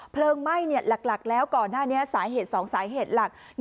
เพลิงไหม้หลักแล้วก่อนหน้านี้สาเหตุ๒สาเหตุหลัก